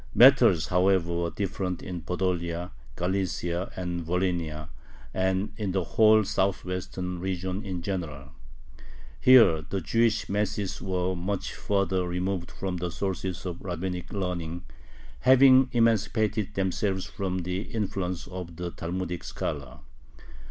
Matters, however, were different in Podolia, Galicia, Volhynia, and in the whole southwestern region in general. Here the Jewish masses were much further removed from the sources of rabbinic learning, having emancipated themselves from the influence of the Talmudic scholar.